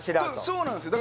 そうなんですよ